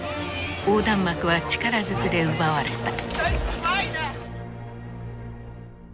横断幕は力ずくで奪われた。